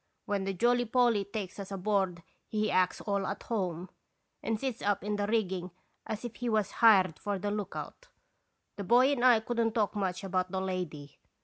When the Jolly Polly takes us aboard he acts all at home, and sits up in the rigging as if he was hired for the lookout. The boy and I could n't talk much about the lady.